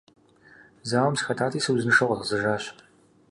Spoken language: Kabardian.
Зауэм сыхэтати, сыузыншэу къэзгъэзэжащ.